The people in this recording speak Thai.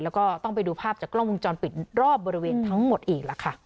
แล้วก็ต้องไปดูภาพจากกล้องวงจรปิดรอบบริเวณทั้งหมดอีกล่ะค่ะ